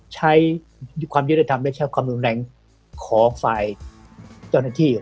ใช้ความยุติธรรมและใช้ความรุนแรงของฝ่ายเจ้าหน้าที่